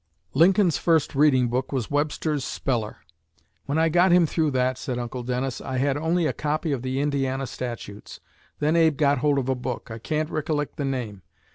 Lincoln's first reading book was Webster's Speller. "When I got him through that," said Uncle Dennis, "I had only a copy of the Indiana Statutes. Then Abe got hold of a book. I can't rikkilect the name.